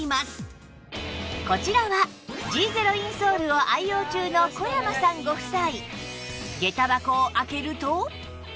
こちらは Ｇ ゼロインソールを愛用中の小山さんご夫妻